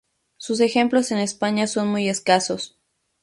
Sus ejemplos en España son muy escasos.